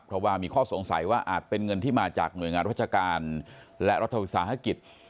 เพราะว่ามีข้อสงสัยว่าอาจเป็นเงินที่มาจากหน่วยงานราชการและรัฐวิสาหกิจ